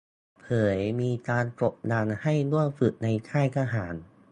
เผยมีการกดดันให้ร่วมฝึกในค่ายทหาร